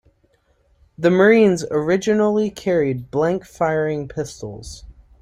The marines originally carried blank firing pistols.